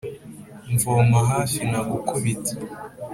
mvoma hafi nagukubita